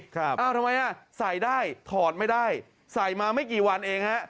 ทำไมอ่ะใส่ได้ถอดไม่ได้ใส่มาไม่กี่วันเองฮะ